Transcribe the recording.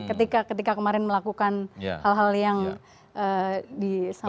ketika kemarin melakukan hal hal yang disampaikan